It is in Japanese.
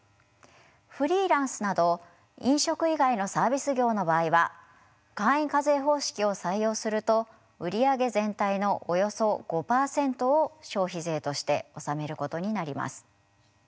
フリーランスなど飲食以外のサービス業の場合は簡易課税方式を採用すると売り上げ全体のおよそ５％を消費税として納めることになります。